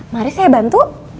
mari saya bantu